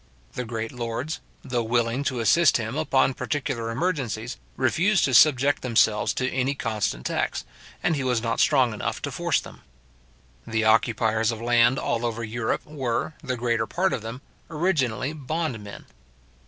The great lords, though willing to assist him upon particular emergencies, refused to subject themselves to any constant tax, and he was not strong enough to force them. The occupiers of land all over Europe were, the greater part of them, originally bond men.